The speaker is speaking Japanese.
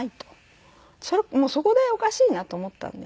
もうそこでおかしいなと思ったんで。